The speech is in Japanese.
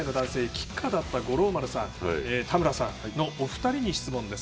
キッカーだった五郎丸さんと田村さんのお二人に質問です。